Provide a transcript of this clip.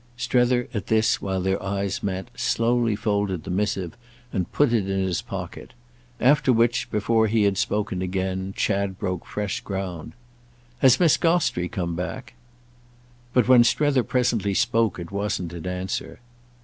Strether, at this, while their eyes met, slowly folded the missive and put it in his pocket; after which, before he had spoken again, Chad broke fresh ground. "Has Miss Gostrey come back?" But when Strether presently spoke it wasn't in answer.